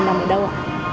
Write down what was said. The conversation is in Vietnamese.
nằm ở đâu ạ